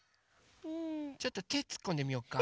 ちょっとてつっこんでみようか。